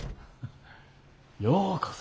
ようこそ。